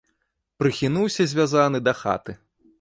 Прыхінуўся, звязаны, да хаты.